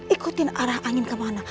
ikutin arah angin kemana